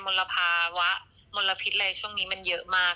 ลภาวะมลพิษอะไรช่วงนี้มันเยอะมาก